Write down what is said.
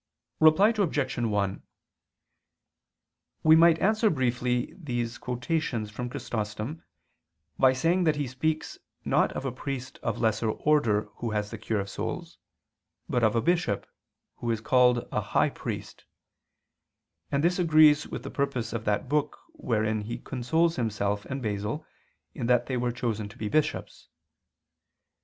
Reply Obj. 1: We might answer briefly these quotations from Chrysostom by saying that he speaks not of a priest of lesser order who has the cure of souls, but of a bishop, who is called a high priest; and this agrees with the purpose of that book wherein he consoles himself and Basil in that they were chosen to be bishops.